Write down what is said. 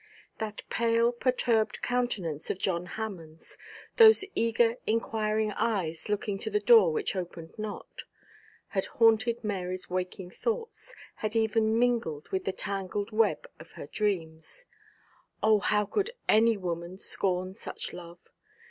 That pale perturbed countenance of John Hammond's, those eager inquiring eyes looking to the door which opened not, had haunted Mary's waking thoughts, had even mingled with the tangled web of her dreams. Oh, how could any woman scorn such love?